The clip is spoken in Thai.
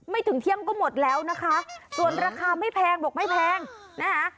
ถึงเที่ยงก็หมดแล้วนะคะส่วนราคาไม่แพงบอกไม่แพงนะคะ